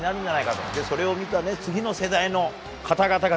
そして、それを見た次の世代の方々が